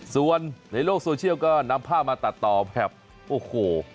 ส่วนในโลกโซเชียลก็นำภาพมาตัดต่อแบบโอ้โห